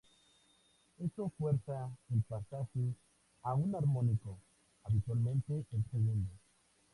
Eso fuerza el pasaje a un armónico, habitualmente el segundo.